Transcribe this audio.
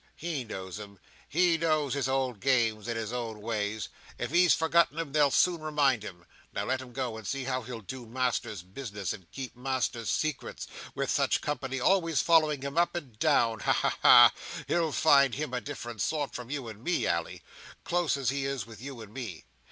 He knows 'em. He knows his old games and his old ways. If he's forgotten 'em, they'll soon remind him. Now let him go, and see how he'll do Master's business, and keep Master's secrets, with such company always following him up and down. Ha, ha, ha! He'll find 'em a different sort from you and me, Ally; Close as he is with you and me.